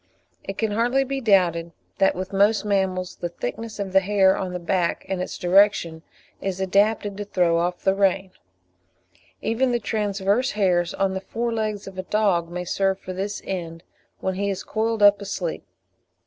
It can hardly be doubted that with most mammals the thickness of the hair on the back and its direction, is adapted to throw off the rain; even the transverse hairs on the fore legs of a dog may serve for this end when he is coiled up asleep.